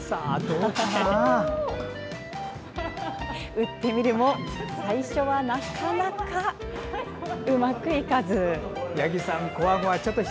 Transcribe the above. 打ってみるも最初は、なかなかうまくいかず。